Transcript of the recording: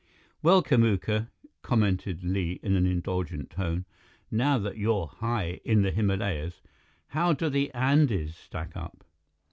"Well, Kamuka," commented Li in an indulgent tone, "now that you're high in the Himalayas, how do the Andes stack up?"